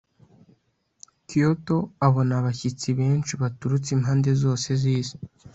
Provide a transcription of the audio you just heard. kyoto abona abashyitsi benshi baturutse impande zose z'isi